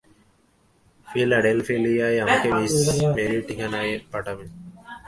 ফিলাডেলফিয়ায় আমাকে মিস মেরীর ঠিকানা পাঠাবেন।